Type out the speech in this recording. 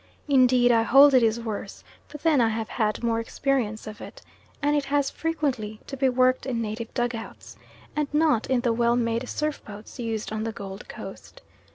Indeed I hold it is worse, but then I have had more experience of it, and it has frequently to be worked in native dugouts, and not in the well made surf boats used on the Gold Coast.